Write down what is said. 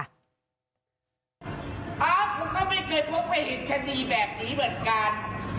อ้าวคุณก็ไม่เคยพบพระเห็นชนีแบบนี้เหมือนกัน